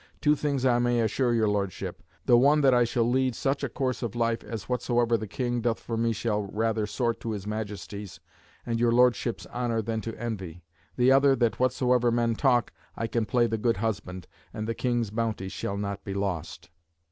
Two things I may assure your Lordship. The one, that I shall lead such a course of life as whatsoever the King doth for me shall rather sort to his Majesty's and your Lordship's honour than to envy; the other, that whatsoever men talk, I can play the good husband, and the King's bounty shall not be lost."